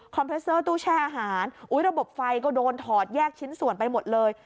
เพรสเตอร์ตู้แช่อาหารระบบไฟก็โดนถอดแยกชิ้นส่วนไปหมดเลย